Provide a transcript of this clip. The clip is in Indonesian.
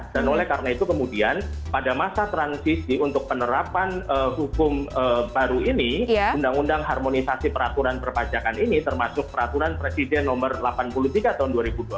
dan oleh karena itu kemudian pada masa transisi untuk penerapan hukum baru ini undang undang harmonisasi peraturan perpajakan ini termasuk peraturan presiden nomor delapan puluh tiga tahun dua ribu dua puluh satu